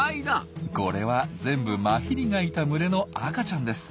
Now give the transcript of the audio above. これは全部マヒリがいた群れの赤ちゃんです。